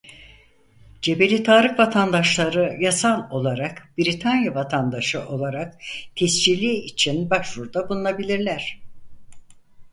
Cebelitarık vatandaşları yasal olarak Britanya vatandaşı olarak tescili için başvuruda bulunabilirler.